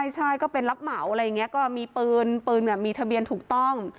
ใช่ก็เป็นรับเหมาอะไรอย่างนี้ก็มีปืนปืนแบบมีทะเบียนถูกต้อง